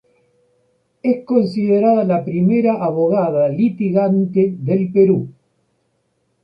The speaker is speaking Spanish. Es considerada la primera abogada litigante del Perú.